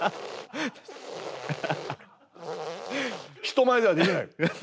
人前ではできない。